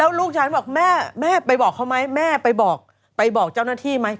แล้วลูกฉันบอกแม่ไปบอกเขาไหมแม่ไปบอกเจ้าหน้าที่ไหม